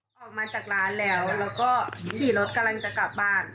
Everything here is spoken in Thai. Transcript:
ออกมาจากร้านแล้วแล้วก็ขี่รถกำลังจะกลับบ้าน